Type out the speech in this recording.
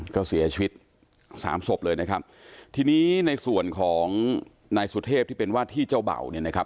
ก็เสียชีวิตสามศพเลยนะครับทีนี้ในส่วนของนายสุเทพที่เป็นว่าที่เจ้าเบ่าเนี่ยนะครับ